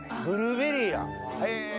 ブルーベリーやへぇ！